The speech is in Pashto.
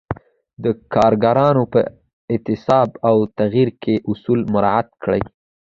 د کارکوونکو په انتصاب او تغیر کې اصول مراعت کړئ.